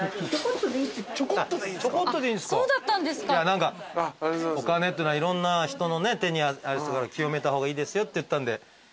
何かお金っていうのはいろんな人の手にあれしたから清めた方がいいですよって言ったんで。